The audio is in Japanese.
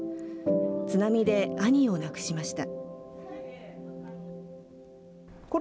津波で兄を亡くしました。